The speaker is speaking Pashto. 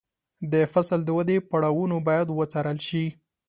د فصل د ودې پړاوونه باید وڅارل شي.